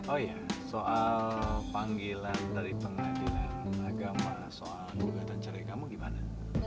oh iya soal panggilan dari pengadilan agama soal gugatan cerai kamu gimana